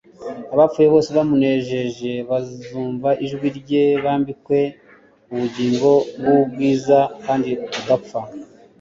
abapfuye bose bamunejeje bazumva ijwi rye bambikwe ubugingo bw'ubwiza kandi budapfa.